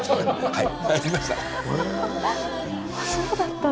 はい。